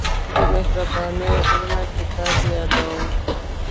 د مهربانه غرونه کتاب يادوم.